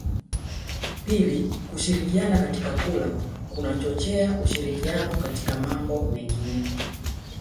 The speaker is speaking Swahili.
Pili kushirikiana katika kula kunachochea ushirikiano katika mambo mengine